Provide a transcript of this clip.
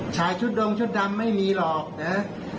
ชายชุดดงชุดดำไม่มีหรอกนะ